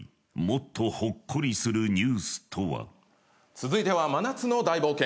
続いては真夏の大冒険‼